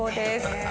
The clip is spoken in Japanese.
へえ。